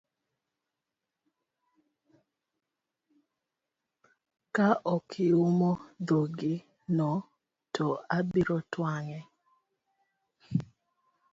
Ka ok iumo dhogi no to abiro twang'e.